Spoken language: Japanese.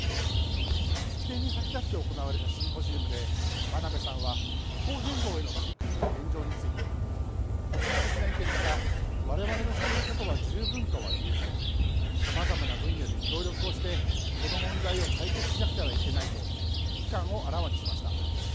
式典に先立って行われたシンポジウムで、真鍋さんは、気候変動への取り組みの現状について、個人的な意見だが、われわれのしていることは十分とは言えず、さまざまな分野で協力をして、この問題を解決しなくてはいけないと、危機感をあらわにしました。